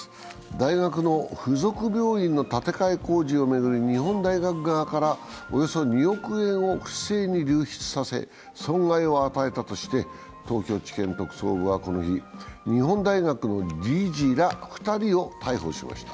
大学の附属病院の建てかえ工事を巡り日本大学側からおよそ２億円を不正に流出させ損害を与えたとして、東京地検特捜部はこの日、日本大学の理事ら２人を逮捕しました。